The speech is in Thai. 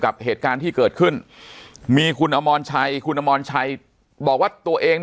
กับเหตุการณ์ที่เกิดขึ้นมีคุณอมรชัยคุณอมรชัยบอกว่าตัวเอง